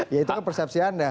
ya itu kan persepsi anda